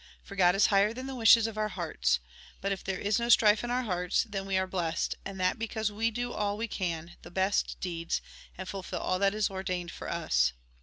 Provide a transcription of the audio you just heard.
For God is higher than the wishes of our hearts. But if there is no strife in our hearts, then we are blessed, and that because we do all we can, the best deeds, and fulfil all that is ordained for us.